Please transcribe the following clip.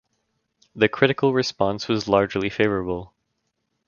The critical response was largely favourable.